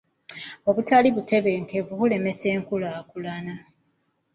Obutali butebenkevu bulemesa enkulaakulana.